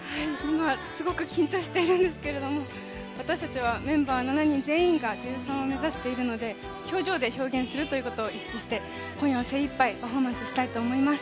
すごく緊張しているんですけど私たちはメンバー７人全員が女優さんを目指しているので表情で表現することを意識して、今夜は精いっぱいパフォーマンスしたいと思います。